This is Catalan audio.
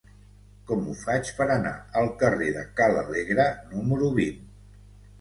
Com ho faig per anar al carrer de Ca l'Alegre número vint?